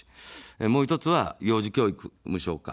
もう１つは幼児教育無償化。